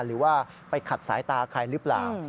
หรือว่าไปขัดสายตาใครหรือเปล่า